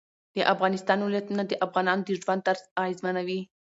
د افغانستان ولايتونه د افغانانو د ژوند طرز اغېزمنوي.